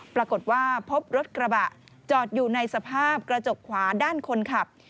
ปรากฏว่าพบรถกระบะจอดอยู่ในสภาพกระจกขวาด้านคนขับ